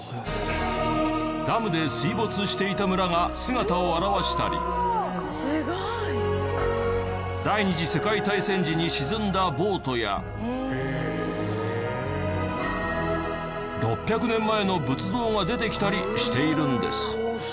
ダムで水没していた村が姿を現したり第二次世界大戦時に沈んだボートや６００年前の仏像が出てきたりしているんです。